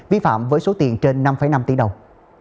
vi phạm với số tiền trên năm năm tỷ đồng